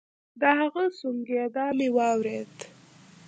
د هغه سونګېدا مې واورېد.